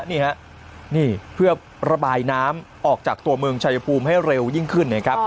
นี่ฮะนี่เพื่อระบายน้ำออกจากตัวเมืองชายภูมิให้เร็วยิ่งขึ้นนะครับ